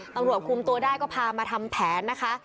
ตำรวจคุมตัวได้ก็พามาทำแผนนะคะ